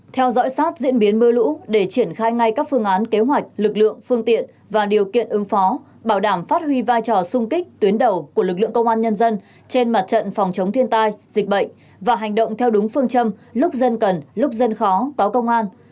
theo dõi sát diễn biến mưa lũ để triển khai ngay các phương án kế hoạch lực lượng phương tiện và điều kiện ứng phó bảo đảm phát huy vai trò sung kích tuyến đầu của lực lượng công an nhân dân trên mặt trận phòng chống thiên tai dịch bệnh và hành động theo đúng phương châm lúc dân cần lúc dân khó có công an